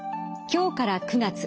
今日から９月。